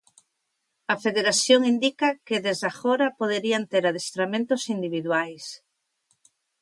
A federación indica que desde agora poderían ter adestramentos individuais.